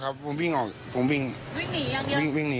ครับคือแสดงพอพี่วิ่งหนี